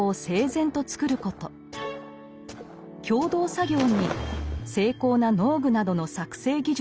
共同作業に精巧な農具などの作製技術。